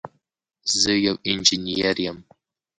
زه یو انجنير یم.